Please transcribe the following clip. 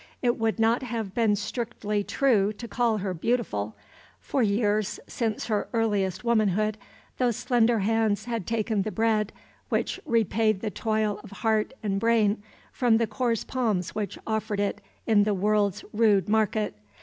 It would not have been strictly true to call her beautiful. For years, since her earliest womanhood, those slender hands had taken the bread which repaid the toil of heart and brain from the coarse palms which offered it in the world's rude market.